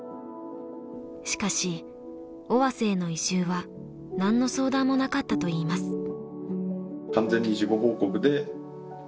しかし尾鷲への移住は何の相談もなかったといいます。